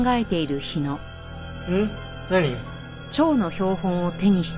うん？何？